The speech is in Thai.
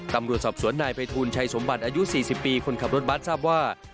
ตำรวจสอบสวนนายภัยทูลชัยสมบัติอายุ๔๐ปีคนขับรถบัสทราบว่า